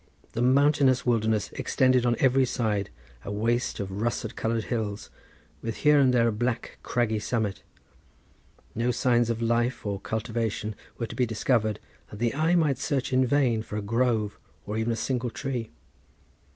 A mountainous wilderness extended on every side, a waste of russet coloured hills, with here and there a black, craggy summit. No signs of life or cultivation were to be discovered, and the eye might search in vain for a grove or even a single tree.